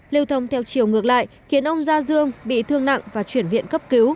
lưu thông theo chiều ngược lại khiến ông gia dương bị thương nặng và chuyển viện cấp cứu